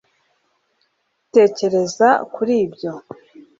tekereza kuri ibyo